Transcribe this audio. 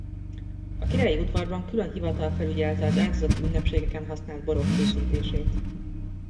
A király udvarban külön hivatal felügyelte az áldozati ünnepségeken használt borok készítését.